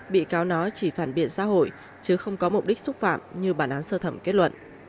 bị cáo nói chỉ phản biện xã hội chứ không có mục đích xúc phạm như bản án sơ thẩm kết luận